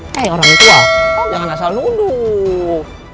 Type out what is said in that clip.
hei orang itu kau jangan asal menuduh